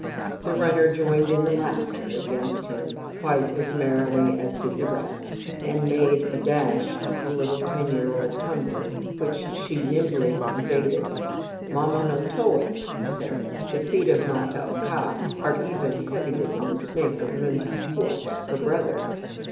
The runner joined in the laugh against him quite as merrily as did the rest, and made a dash at the little ten year old tumbler, which she as nimbly evaded, "Ma ma no to wic," (1) he said, "the feet of Ma ta oka are even heavier than the snake of Nun ta quaus, her brother.